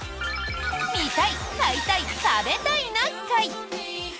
「見たい買いたい食べたいな会」。